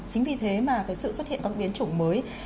chính vì thế mà sự xuất hiện các biến chủng mới